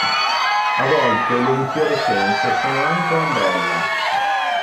A volte le infiorescenze sono anche a ombrella.